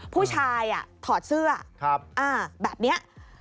ผู้ชายถอดเสื้อแบบนี้